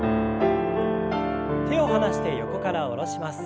手を離して横から下ろします。